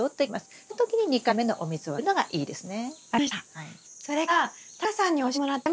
その時に２回目のお水をあげるのがいいですね。